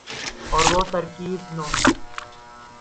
اور وہ ترکیب نحوی